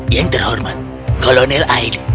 yang terhormat kolonel aini